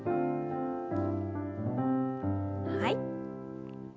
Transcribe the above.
はい。